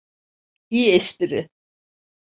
İyi espri.